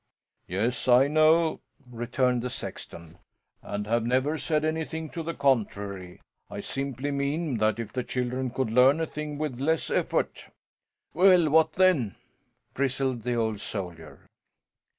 "Yes, I know," returned the sexton, "and have never said anything to the contrary. I simply mean that if the children could learn a thing with less effort " "Well, what then?" bristled the old soldier.